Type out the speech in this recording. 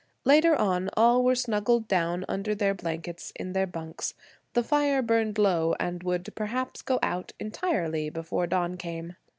Later on all were snuggled down under their blankets in their bunks. The fire burned low, and would perhaps go out entirely before dawn came.